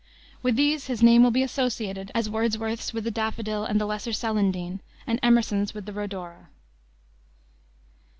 With these his name will be associated as Wordsworth's with the daffodil and the lesser celandine, and Emerson's with the rhodora.